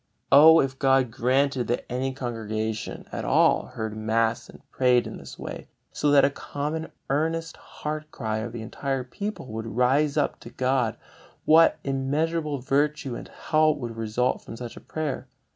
Oh, if God granted that any congregation at all heard mass and prayed in this way, so that a common earnest heart cry of the entire people would rise up to God, what immeasurable virtue and help would result from such a prayer!